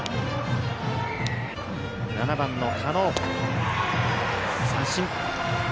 ７番の狩野三振。